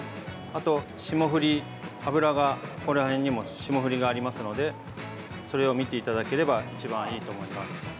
あと霜降り、脂がここら辺にも霜降りがありますのでそれを見ていただければ一番いいと思います。